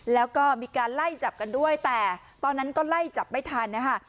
แล้วก็มีการไล่จับกันด้วยแต่ตอนนั้นก็ไล่จับไม่ทันนะคะ